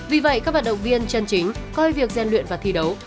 vì vậy các vận động viên chân chính coi việc gian luyện và thi đấu